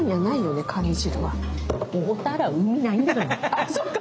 あっそうか！